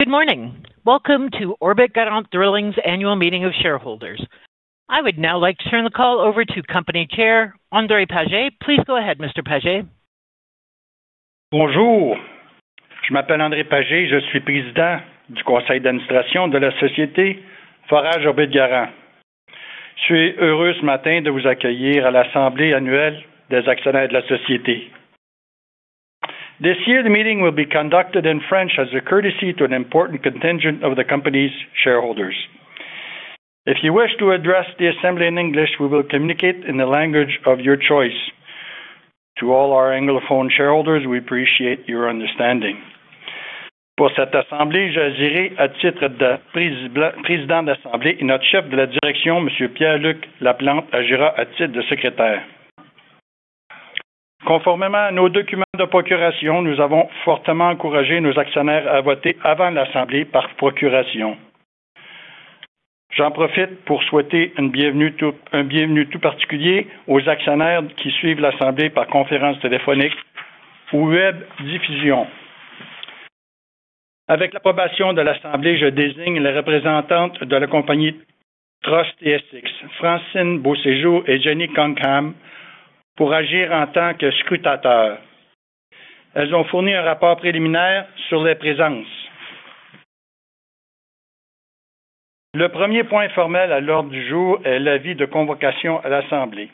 Good morning. Welcome to Orbit Garant Drilling's annual meeting of shareholders. I would now like to turn the call over to Company Chair André Paget. Please go ahead, Mr. Paget. Bonjour. Je m'appelle André Paget, je suis président du conseil d'administration de la société Forage Orbit Garant. Je suis heureux ce matin de vous accueillir à l'assemblée annuelle des actionnaires de la société. This year, the meeting will be conducted in French as a courtesy to an important contingent of the company's shareholders. If you wish to address the assembly in English, we will communicate in the language of your choice. To all our anglophone shareholders, we appreciate your understanding. Pour cette assemblée, j'agirai à titre de président d'assemblée et notre chef de la direction, Monsieur Pierre-Luc Laplante, agira à titre de secrétaire. Conformément à nos documents de procuration, nous avons fortement encouragé nos actionnaires à voter avant l'assemblée par procuration. J'en profite pour souhaiter une bienvenue tout particulière aux actionnaires qui suivent l'assemblée par conférence téléphonique ou web diffusion. Avec l'approbation de l'assemblée, je désigne les représentantes de la compagnie Trust TSX, Francine Beauséjour et Jenny Conkham, pour agir en tant que scrutateurs. Elles ont fourni un rapport préliminaire sur les présences. Le premier point formel à l'ordre du jour est l'avis de convocation à l'assemblée.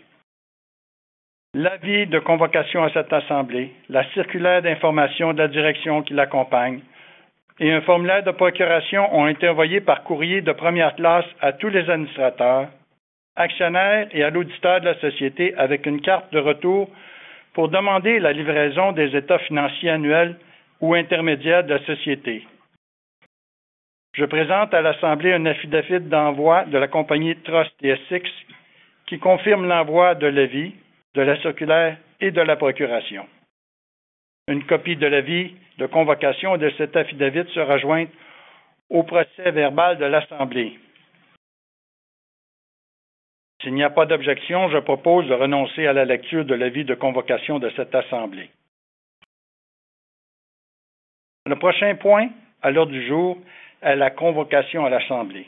L'avis de convocation à cette assemblée, la circulaire d'information de la direction qui l'accompagne, et un formulaire de procuration ont été envoyés par courrier de première classe à tous les administrateurs, actionnaires et à l'auditeur de la société avec une carte de retour pour demander la livraison des états financiers annuels ou intermédiaires de la société. Je présente à l'assemblée un affidavit d'envoi de la compagnie Trust TSX qui confirme l'envoi de l'avis, de la circulaire et de la procuration. Une copie de l'avis de convocation et de cet affidavit sera jointe au procès-verbal de l'assemblée. S'il n'y a pas d'objection, je propose de renoncer à la lecture de l'avis de convocation de cette assemblée. Le prochain point à l'ordre du jour est la convocation à l'assemblée.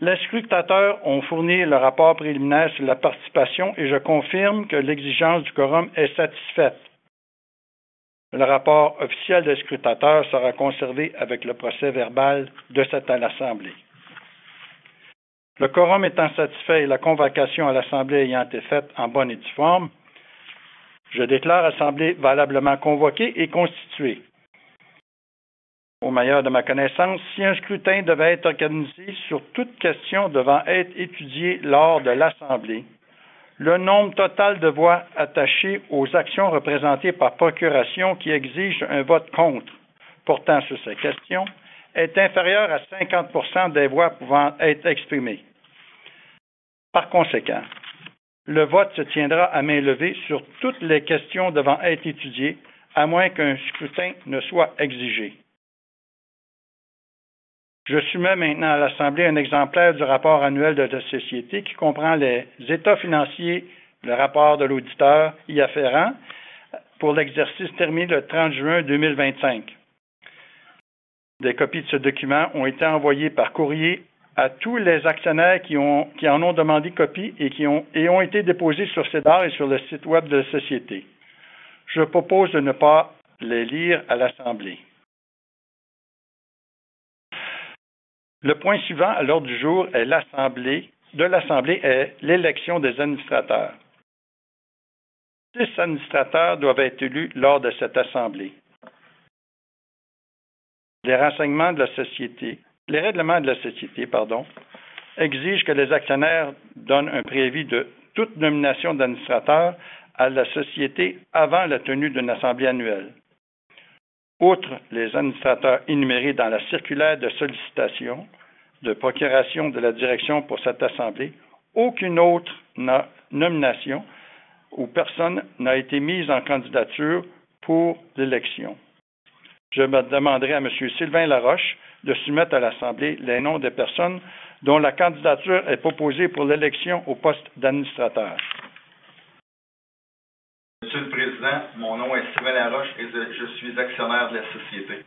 Les scrutateurs ont fourni le rapport préliminaire sur la participation et je confirme que l'exigence du quorum est satisfaite. Le rapport officiel des scrutateurs sera conservé avec le procès-verbal de cette assemblée. Le quorum étant satisfait et la convocation à l'assemblée ayant été faite en bonne et due forme, je déclare l'assemblée valablement convoquée et constituée. Au meilleur de ma connaissance, si un scrutin devait être organisé sur toute question devant être étudiée lors de l'assemblée, le nombre total de voix attachées aux actions représentées par procuration qui exigent un vote contre portant sur ces questions est inférieur à 50% des voix pouvant être exprimées. Par conséquent, le vote se tiendra à main levée sur toutes les questions devant être étudiées, à moins qu'un scrutin ne soit exigé. Je soumets maintenant à l'assemblée un exemplaire du rapport annuel de la société qui comprend les états financiers, le rapport de l'auditeur y afférant pour l'exercice terminé le 30 juin 2025. Des copies de ce document ont été envoyées par courrier à tous les actionnaires qui en ont demandé copie et ont été déposées sur SEDAR et sur le site web de la société. Je propose de ne pas les lire à l'assemblée. Le point suivant à l'ordre du jour est l'élection des administrateurs. Six administrateurs doivent être élus lors de cette assemblée. Les règlements de la société exigent que les actionnaires donnent un préavis de toute nomination d'administrateurs à la société avant la tenue d'une assemblée annuelle. Outre les administrateurs énumérés dans la circulaire de sollicitation de procuration de la direction pour cette assemblée, aucune autre nomination ou personne n'a été mise en candidature pour l'élection. Je demanderai à Monsieur Sylvain Laroches de soumettre à l'assemblée les noms des personnes dont la candidature est proposée pour l'élection au poste d'administrateur. Monsieur le Président, mon nom est Sylvain Laroches et je suis actionnaire de la société.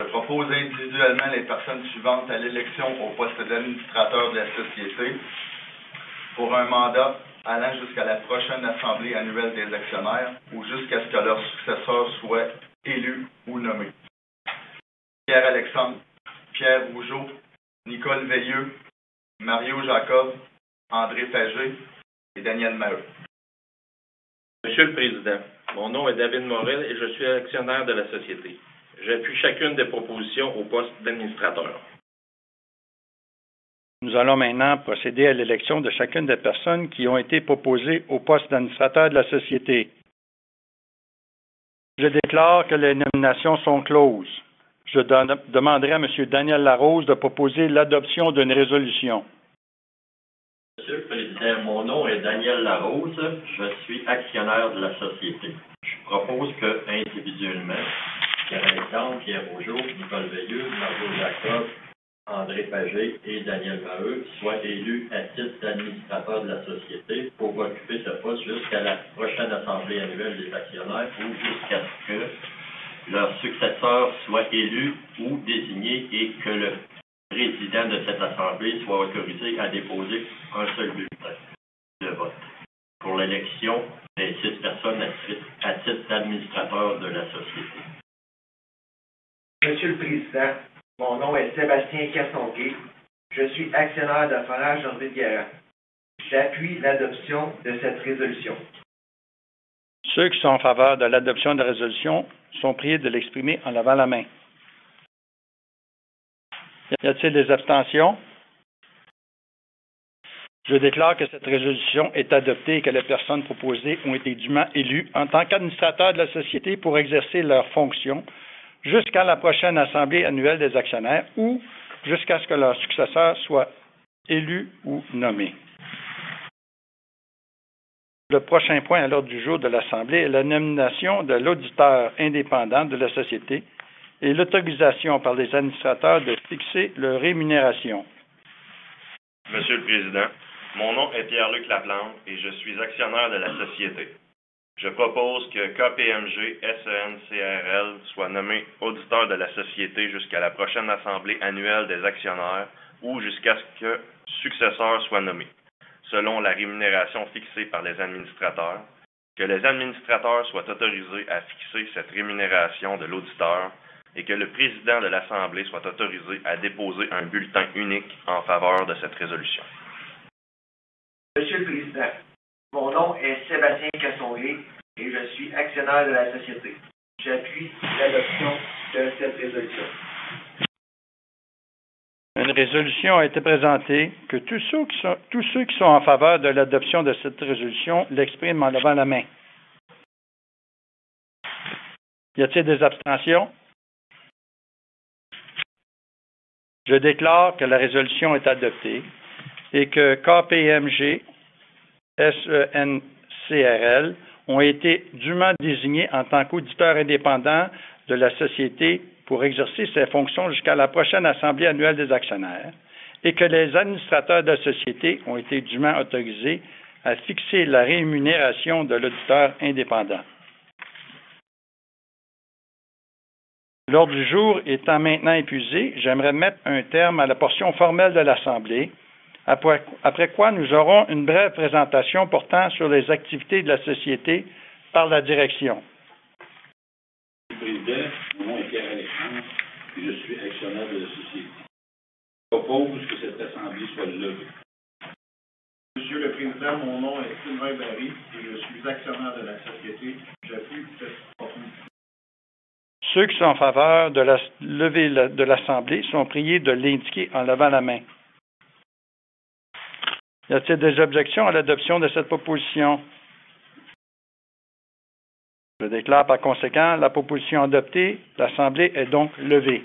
Je propose individuellement les personnes suivantes à l'élection au poste d'administrateur de la société pour un mandat allant jusqu'à la prochaine assemblée annuelle des actionnaires ou jusqu'à ce que leur successeur soit élu ou nommé: Pierre-Alexandre, Pierre Rougeau, Nicole Veilleux, Mario Jacob, André Paget et Daniel Maheu. Monsieur le Président, mon nom est David Morel et je suis actionnaire de la société. J'appuie chacune des propositions au poste d'administrateur. Nous allons maintenant procéder à l'élection de chacune des personnes qui ont été proposées au poste d'administrateur de la société. Je déclare que les nominations sont closes. Je demanderai à Monsieur Daniel Larose de proposer l'adoption d'une résolution. Monsieur le Président, mon nom est Daniel Larose. Je suis actionnaire de la société. Je propose qu'individuellement, Pierre-Alexandre, Pierre Rougeau, Nicole Veilleux, Mario Jacob, André Paget et Daniel Maheu soient élus à titre d'administrateurs de la société pour occuper ce poste jusqu'à la prochaine assemblée annuelle des actionnaires ou jusqu'à ce que leur successeur soit élu ou désigné et que le président de cette assemblée soit autorisé à déposer un seul bulletin de vote pour l'élection des six personnes à titre d'administrateurs de la société. Monsieur le Président, mon nom est Sébastien Cassonquier. Je suis actionnaire de Forage Orbit Garant. J'appuie l'adoption de cette résolution. Ceux qui sont en faveur de l'adoption de la résolution sont priés de l'exprimer en levant la main. Y a-t-il des abstentions? Je déclare que cette résolution est adoptée et que les personnes proposées ont été dûment élues en tant qu'Administrateurs de la société pour exercer leurs fonctions jusqu'à la prochaine assemblée annuelle des actionnaires ou jusqu'à ce que leur successeur soit élu ou nommé. Le prochain point à l'ordre du jour de l'assemblée est la nomination de l'auditeur indépendant de la société et l'autorisation par les Administrateurs de fixer leur rémunération. Monsieur le Président, mon nom est Pierre-Luc Laplante et je suis actionnaire de la société. Je propose que KPMG SENCRL soit nommée auditeur de la société jusqu'à la prochaine assemblée annuelle des actionnaires ou jusqu'à ce que le successeur soit nommé, selon la rémunération fixée par les administrateurs, que les administrateurs soient autorisés à fixer cette rémunération de l'auditeur et que le président de l'assemblée soit autorisé à déposer un bulletin unique en faveur de cette résolution. Monsieur le Président, mon nom est Sébastien Cassonquier et je suis actionnaire de la société. J'appuie l'adoption de cette résolution. Une résolution a été présentée. Que tous ceux qui sont en faveur de l'adoption de cette résolution l'expriment en levant la main. Y a-t-il des abstentions? Je déclare que la résolution est adoptée et que KPMG SENCRL ont été dûment désignés en tant qu'auditeurs indépendants de la société pour exercer ses fonctions jusqu'à la prochaine assemblée annuelle des actionnaires et que les administrateurs de la société ont été dûment autorisés à fixer la rémunération de l'auditeur indépendant. L'ordre du jour étant maintenant épuisé, j'aimerais mettre un terme à la portion formelle de l'assemblée, après quoi nous aurons une brève présentation portant sur les activités de la société par la direction. Monsieur le Président, mon nom est Pierre-Alexandre et je suis actionnaire de la société. Je propose que cette assemblée soit levée. Monsieur le Président, mon nom est Sylvain Barry et je suis actionnaire de la société. J'appuie cette proposition. Ceux qui sont en faveur de la levée de l'assemblée sont priés de l'indiquer en levant la main. Y a-t-il des objections à l'adoption de cette proposition? Je déclare par conséquent la proposition adoptée. L'assemblée est donc levée.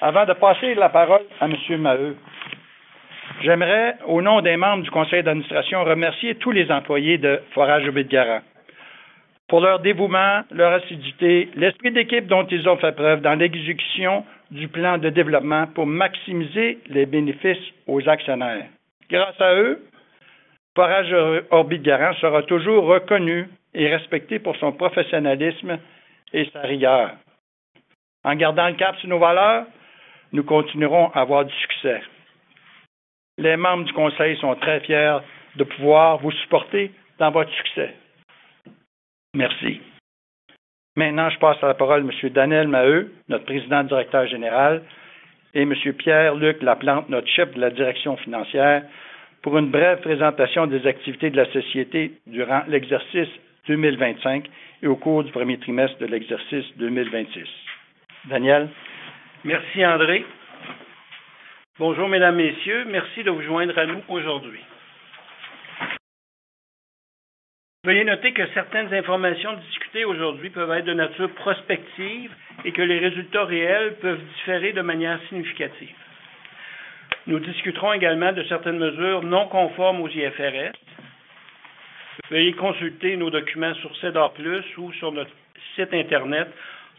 Avant de passer la parole à Monsieur Maheu, j'aimerais, au nom des membres du conseil d'administration, remercier tous les employés de Forage Orbit Garant pour leur dévouement, leur assiduité, l'esprit d'équipe dont ils ont fait preuve dans l'exécution du plan de développement pour maximiser les bénéfices aux actionnaires. Grâce à eux, Forage Orbit Garant sera toujours reconnu et respecté pour son professionnalisme et sa rigueur. En gardant le cap sur nos valeurs, nous continuerons à avoir du succès. Les membres du conseil sont très fiers de pouvoir vous supporter dans votre succès. Merci. Maintenant, je passe la parole à Monsieur Daniel Maheu, notre Président Directeur Général, et Monsieur Pierre-Luc Laplante, notre Chef de la Direction Financière, pour une brève présentation des activités de la société durant l'exercice 2025 et au cours du premier trimestre de l'exercice 2026. Daniel? Merci, André. Bonjour, Mesdames et Messieurs. Merci de vous joindre à nous aujourd'hui. Veuillez noter que certaines informations discutées aujourd'hui peuvent être de nature prospective et que les résultats réels peuvent différer de manière significative. Nous discuterons également de certaines mesures non conformes aux IFRS. Veuillez consulter nos documents sur SEDAR Plus ou sur notre site Internet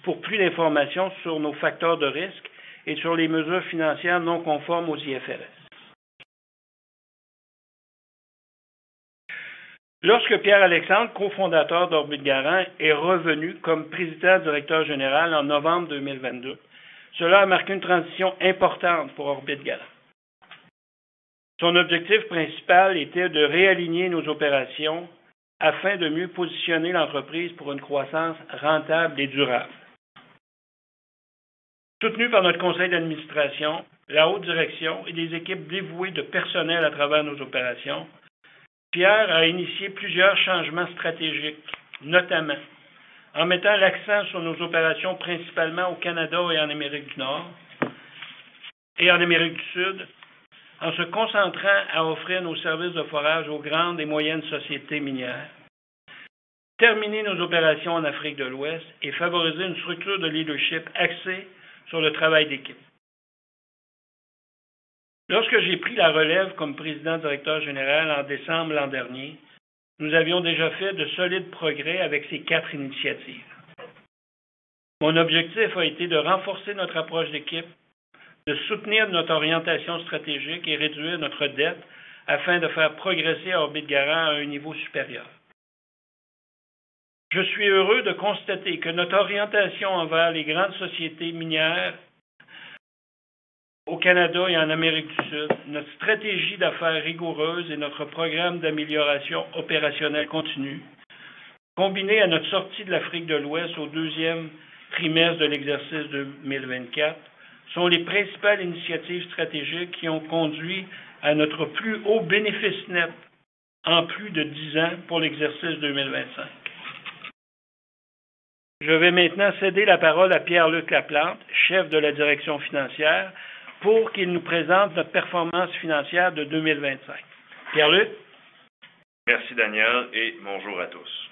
pour plus d'informations sur nos facteurs de risque et sur les mesures financières non conformes aux IFRS. Lorsque Pierre-Alexandre, cofondateur d'Orbit Garant, est revenu comme Président Directeur Général en novembre 2022, cela a marqué une transition importante pour Orbit Garant. Son objectif principal était de réaligner nos opérations afin de mieux positionner l'entreprise pour une croissance rentable et durable. Soutenu par notre conseil d'administration, la haute direction et des équipes dévouées de personnel à travers nos opérations, Pierre a initié plusieurs changements stratégiques, notamment en mettant l'accent sur nos opérations principalement au Canada et en Amérique du Nord et en Amérique du Sud, en se concentrant à offrir nos services de forage aux grandes et moyennes sociétés minières, terminer nos opérations en Afrique de l'Ouest et favoriser une structure de leadership axée sur le travail d'équipe. Lorsque j'ai pris la relève comme président-directeur général en décembre l'an dernier, nous avions déjà fait de solides progrès avec ces quatre initiatives. Mon objectif a été de renforcer notre approche d'équipe, de soutenir notre orientation stratégique et réduire notre dette afin de faire progresser Orbit Garant à un niveau supérieur. Je suis heureux de constater que notre orientation envers les grandes sociétés minières au Canada et en Amérique du Sud, notre stratégie d'affaires rigoureuse et notre programme d'amélioration opérationnelle continue, combinées à notre sortie de l'Afrique de l'Ouest au deuxième trimestre de l'exercice 2024, sont les principales initiatives stratégiques qui ont conduit à notre plus haut bénéfice net en plus de 10 ans pour l'exercice 2025. Je vais maintenant céder la parole à Pierre-Luc Laplante, Chef de la Direction Financière, pour qu'il nous présente notre performance financière de 2025. Pierre-Luc? Merci, Daniel, et bonjour à tous.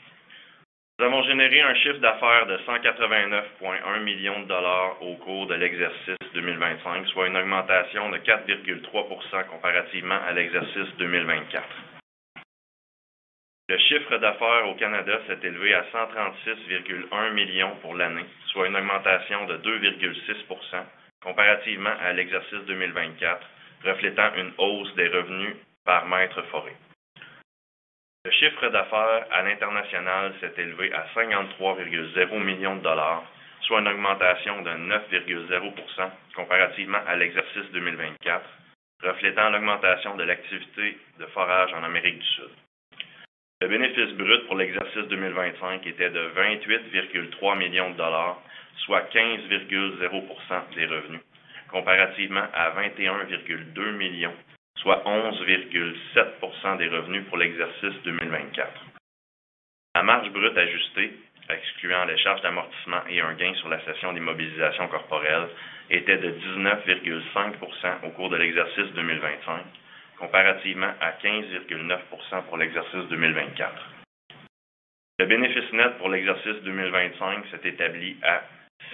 Nous avons généré un chiffre d'affaires de 189,1 millions de dollars au cours de l'exercice 2025, soit une augmentation de 4,3% comparativement à l'exercice 2024. Le chiffre d'affaires au Canada s'est élevé à 136,1 millions de dollars pour l'année, soit une augmentation de 2,6% comparativement à l'exercice 2024, reflétant une hausse des revenus par mètre foré. Le chiffre d'affaires à l'international s'est élevé à 53,0 millions de dollars, soit une augmentation de 9,0% comparativement à l'exercice 2024, reflétant l'augmentation de l'activité de forage en Amérique du Sud. Le bénéfice brut pour l'exercice 2025 était de 28,3 millions de dollars, soit 15,0% des revenus, comparativement à 21,2 millions de dollars, soit 11,7% des revenus pour l'exercice 2024. La marge brute ajustée, excluant les charges d'amortissement et un gain sur la cession d'immobilisations corporelles, était de 19,5% au cours de l'exercice 2025, comparativement à 15,9% pour l'exercice 2024.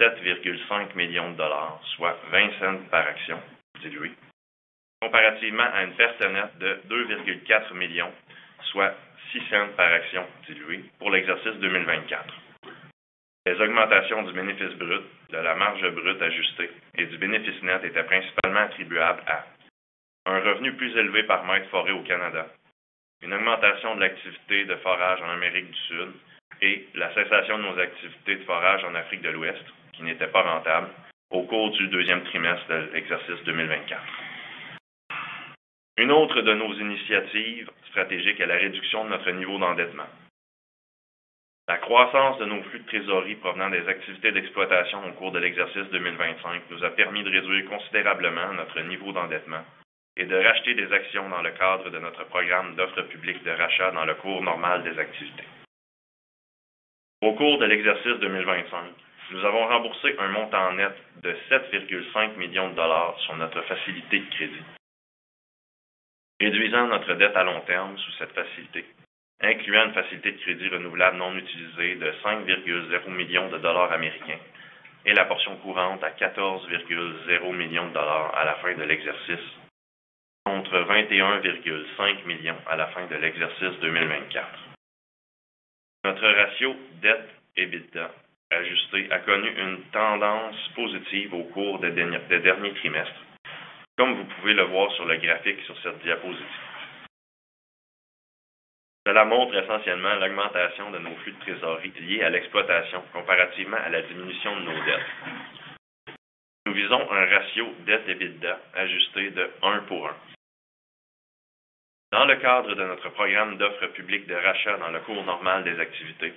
Le bénéfice net pour l'exercice 2025 s'est établi à 7,5 millions de dollars, soit 20 cents par action diluée, comparativement à une perte nette de 2,4 millions, soit 6 cents par action diluée pour l'exercice 2024. Les augmentations du bénéfice brut, de la marge brute ajustée et du bénéfice net étaient principalement attribuables à: un revenu plus élevé par mètre foré au Canada, une augmentation de l'activité de forage en Amérique du Sud et la cessation de nos activités de forage en Afrique de l'Ouest, qui n'étaient pas rentables au cours du deuxième trimestre de l'exercice 2024. Une autre de nos initiatives stratégiques est la réduction de notre niveau d'endettement. La croissance de nos flux de trésorerie provenant des activités d'exploitation au cours de l'exercice 2025 nous a permis de réduire considérablement notre niveau d'endettement et de racheter des actions dans le cadre de notre programme d'offre publique de rachat dans le cours normal des activités. Au cours de l'exercice 2025, nous avons remboursé un montant net de 7,5 millions de dollars sur notre facilité de crédit, réduisant notre dette à long terme sous cette facilité, incluant une facilité de crédit renouvelable non utilisée de 5,0 millions de dollars américains et la portion courante à 14,0 millions de dollars à la fin de l'exercice, contre 21,5 millions à la fin de l'exercice 2024. Notre ratio dette-EBITDA ajusté a connu une tendance positive au cours des derniers trimestres, comme vous pouvez le voir sur le graphique sur cette diapositive. Cela montre essentiellement l'augmentation de nos flux de trésorerie liés à l'exploitation comparativement à la diminution de nos dettes. Nous visons un ratio dette-EBITDA ajusté de 1 pour 1. Dans le cadre de notre programme d'offre publique de rachat dans le cours normal des activités,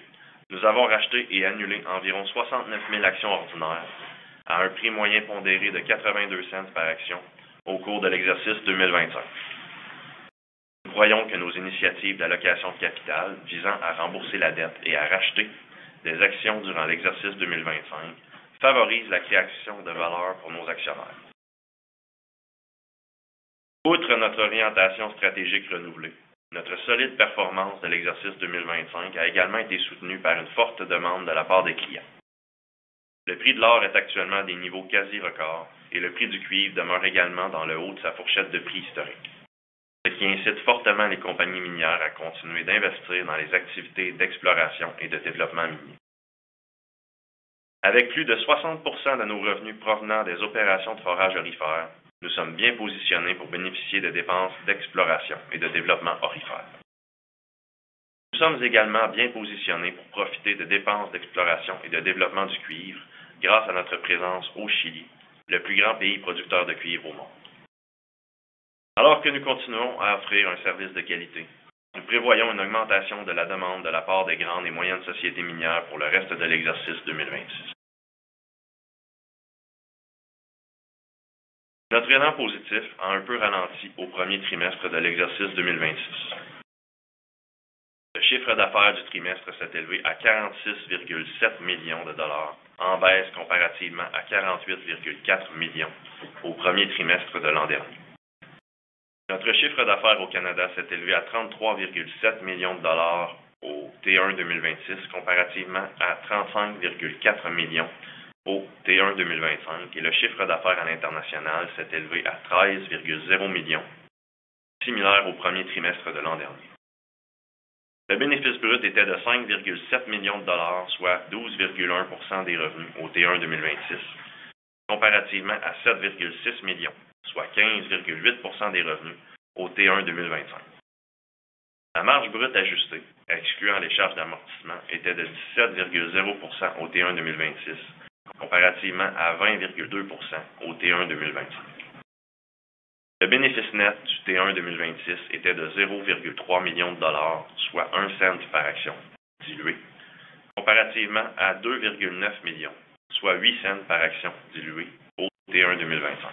nous avons racheté et annulé environ 69 000 actions ordinaires à un prix moyen pondéré de 0,82 $ par action au cours de l'exercice 2025. Nous croyons que nos initiatives d'allocation de capital visant à rembourser la dette et à racheter des actions durant l'exercice 2025 favorisent la création de valeur pour nos actionnaires. Outre notre orientation stratégique renouvelée, notre solide performance de l'exercice 2025 a également été soutenue par une forte demande de la part des clients. Le prix de l'or est actuellement à des niveaux quasi records et le prix du cuivre demeure également dans le haut de sa fourchette de prix historique, ce qui incite fortement les compagnies minières à continuer d'investir dans les activités d'exploration et de développement minier. Avec plus de 60% de nos revenus provenant des opérations de forage aurifères, nous sommes bien positionnés pour bénéficier de dépenses d'exploration et de développement aurifères. Nous sommes également bien positionnés pour profiter de dépenses d'exploration et de développement du cuivre grâce à notre présence au Chili, le plus grand pays producteur de cuivre au monde. Alors que nous continuons à offrir un service de qualité, nous prévoyons une augmentation de la demande de la part des grandes et moyennes sociétés minières pour le reste de l'exercice 2026. Notre élan positif a un peu ralenti au premier trimestre de l'exercice 2026. Le chiffre d'affaires du trimestre s'est élevé à 46,7 millions de dollars, en baisse comparativement à 48,4 millions au premier trimestre de l'an dernier. Notre chiffre d'affaires au Canada s'est élevé à 33,7 millions de dollars au T1 2026, comparativement à 35,4 millions au T1 2025, et le chiffre d'affaires à l'international s'est élevé à 13,0 millions, similaire au premier trimestre de l'an dernier. Le bénéfice brut était de 5,7 millions de dollars, soit 12,1% des revenus au T1 2026, comparativement à 7,6 millions, soit 15,8% des revenus au T1 2025. La marge brute ajustée, excluant les charges d'amortissement, était de 17,0% au T1 2026, comparativement à 20,2% au T1 2025. Le bénéfice net du T1 2026 était de 0,3 million de dollars, soit 1 cent par action diluée, comparativement à 2,9 millions, soit 8 cents par action diluée au T1 2025.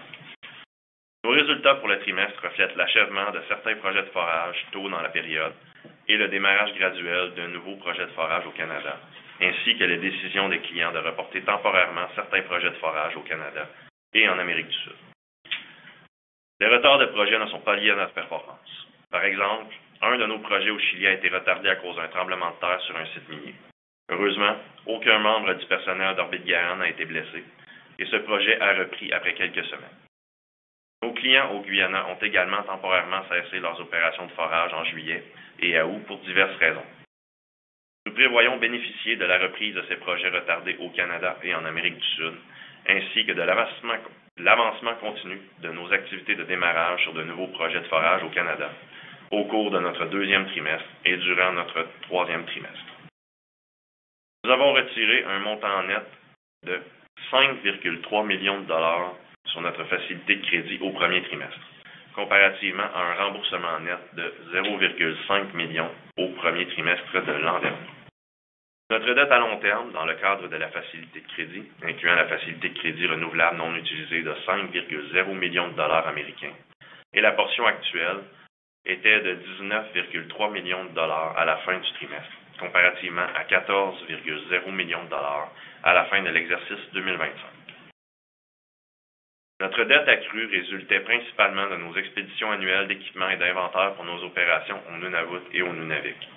Nos résultats pour le trimestre reflètent l'achèvement de certains projets de forage tôt dans la période et le démarrage graduel de nouveaux projets de forage au Canada, ainsi que les décisions des clients de reporter temporairement certains projets de forage au Canada et en Amérique du Sud. Les retards de projet ne sont pas liés à notre performance. Par exemple, un de nos projets au Chili a été retardé à cause d'un tremblement de terre sur un site minier. Heureusement, aucun membre du personnel d'Orbit Garant n'a été blessé et ce projet a repris après quelques semaines. Nos clients au Guyana ont également temporairement cessé leurs opérations de forage en juillet et août pour diverses raisons. Nous prévoyons bénéficier de la reprise de ces projets retardés au Canada et en Amérique du Sud, ainsi que de l'avancement continu de nos activités de démarrage sur de nouveaux projets de forage au Canada au cours de notre deuxième trimestre et durant notre troisième trimestre. Nous avons retiré un montant net de 5,3 millions de dollars sur notre facilité de crédit au premier trimestre, comparativement à un remboursement net de 0,5 million au premier trimestre de l'an dernier. Notre dette à long terme dans le cadre de la facilité de crédit, incluant la facilité de crédit renouvelable non utilisée de 5,0 millions de dollars américains, et la portion actuelle était de 19,3 millions de dollars à la fin du trimestre, comparativement à 14,0 millions de dollars à la fin de l'exercice 2025. Notre dette accrue résultait principalement de nos expéditions annuelles d'équipements et d'inventaires pour nos opérations au Nunavut et au Nunavik.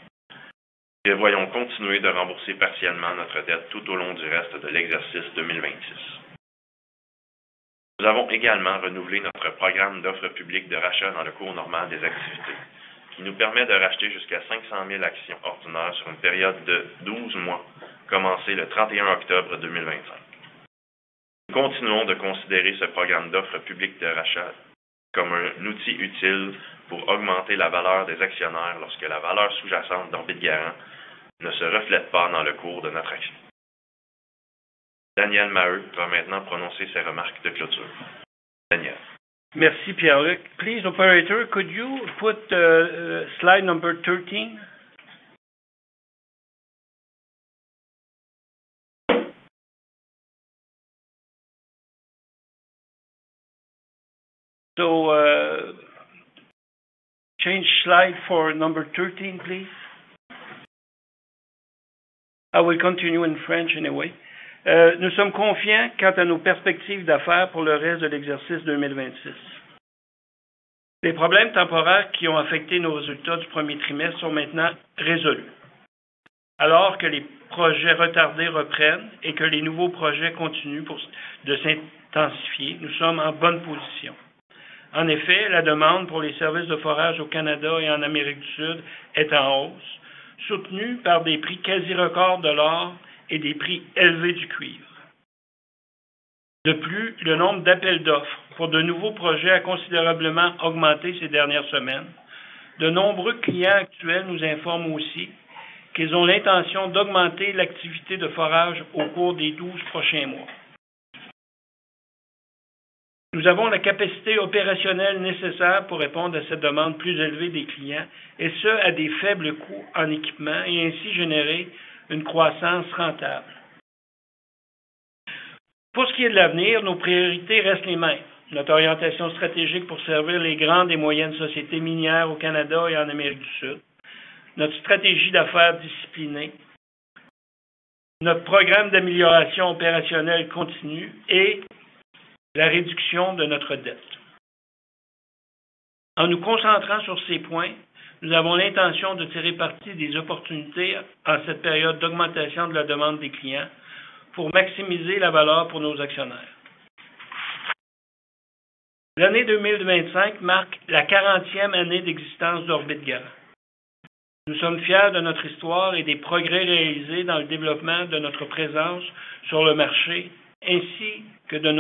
Nous prévoyons continuer de rembourser partiellement notre dette tout au long du reste de l'exercice 2026. Nous avons également renouvelé notre programme d'offre publique de rachat dans le cours normal des activités, qui nous permet de racheter jusqu'à 500 000 actions ordinaires sur une période de 12 mois commencée le 31 octobre 2025. Nous continuons de considérer ce programme d'offre publique de rachat comme un outil utile pour augmenter la valeur des actionnaires lorsque la valeur sous-jacente d'Orbit Garant ne se reflète pas dans le cours de notre action. Daniel Maheu va maintenant prononcer ses remarques de clôture. Daniel. Merci, Pierre-Luc. Please, operator, could you put slide number 13? So, change slide for number 13, please. I will continue in French anyway. Nous sommes confiants quant à nos perspectives d'affaires pour le reste de l'exercice 2026. Les problèmes temporaires qui ont affecté nos résultats du premier trimestre sont maintenant résolus. Alors que les projets retardés reprennent et que les nouveaux projets continuent de s'intensifier, nous sommes en bonne position. En effet, la demande pour les services de forage au Canada et en Amérique du Sud est en hausse, soutenue par des prix quasi records de l'or et des prix élevés du cuivre. De plus, le nombre d'appels d'offres pour de nouveaux projets a considérablement augmenté ces dernières semaines. De nombreux clients actuels nous informent aussi qu'ils ont l'intention d'augmenter l'activité de forage au cours des 12 prochains mois. Nous avons la capacité opérationnelle nécessaire pour répondre à cette demande plus élevée des clients, et ce, à de faibles coûts en équipements et ainsi générer une croissance rentable. Pour ce qui est de l'avenir, nos priorités restent les mêmes: notre orientation stratégique pour servir les grandes et moyennes sociétés minières au Canada et en Amérique du Sud, notre stratégie d'affaires disciplinée, notre programme d'amélioration opérationnelle continue et la réduction de notre dette. En nous concentrant sur ces points, nous avons l'intention de tirer parti des opportunités en cette période d'augmentation de la demande des clients pour maximiser la valeur pour nos actionnaires. L'année 2025 marque la 40e année d'existence d'Orbit Garant. Nous sommes fiers de notre histoire et des progrès réalisés dans le développement de notre présence sur le marché, ainsi que de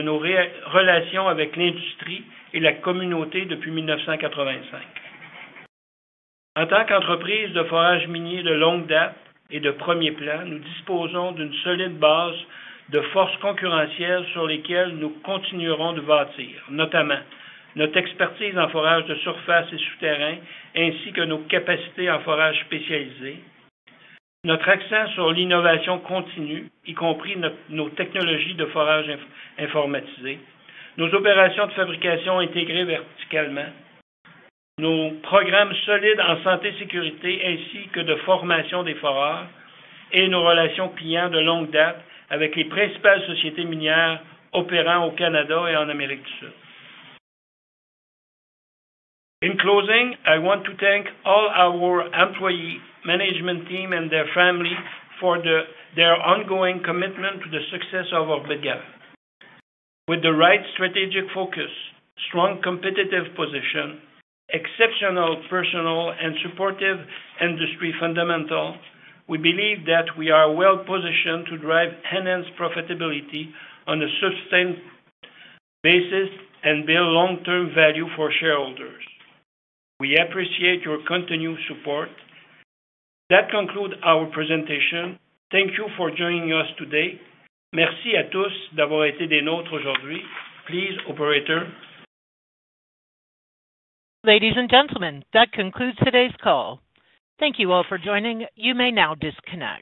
nos relations avec l'industrie et la communauté depuis 1985. En tant qu'entreprise de forage minier de longue date et de premier plan, nous disposons d'une solide base de forces concurrentielles sur lesquelles nous continuerons de bâtir, notamment notre expertise en forage de surface et souterrain, ainsi que nos capacités en forage spécialisé, notre accent sur l'innovation continue, y compris nos technologies de forage informatisé, nos opérations de fabrication intégrées verticalement, nos programmes solides en santé et sécurité, ainsi que de formation des foreurs, et nos relations clients de longue date avec les principales sociétés minières opérant au Canada et en Amérique du Sud. En conclusion, je tiens à remercier tous nos employés, notre équipe de direction et leurs familles pour leur engagement continu envers le succès d'Orbit Garant. With the right strategic focus, strong competitive position, exceptional personnel, and supportive industry fundamentals, we believe that we are well positioned to drive enhanced profitability on a sustained basis and build long-term value for shareholders. We appreciate your continued support. That concludes our presentation. Thank you for joining us today. Merci à tous d'avoir été des nôtres aujourd'hui. Please, operator. Ladies and gentlemen, that concludes today's call. Thank you all for joining. You may now disconnect.